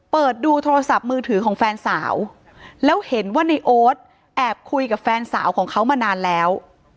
เปิดดูโทรศัพท์มือถือของแฟนสาวแล้วเห็นว่าในโอ๊ตแอบคุยกับแฟนสาวของเขามานานแล้ว